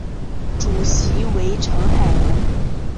主席为成海荣。